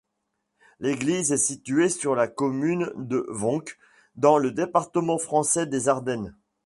L'église est située sur la commune de Voncq, dans le département français des Ardennes.